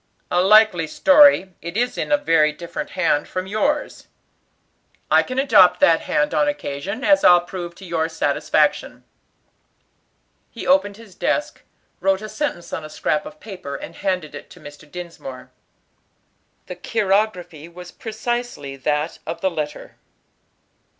"A likely story; it is in a very different hand from yours." "I can adopt that hand on occasion, as I'll prove to your satisfaction." He opened his desk, wrote a sentence on a scrap of paper, and handed it to Mr. Dinsmore. The chirography was precisely that of the letter.